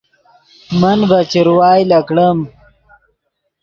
من ڤے چروائے لکڑیم